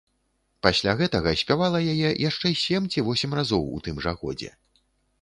Пасля гэтага спявала яе яшчэ сем ці восем разоў у тым жа годзе.